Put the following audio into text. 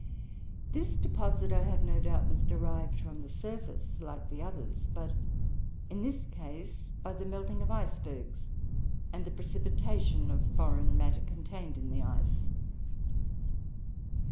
This deposit, I have no doubt, was derived from the surface like the others, but in this case by the melting of icebergs and the precipitation of foreign matter contained in the ice.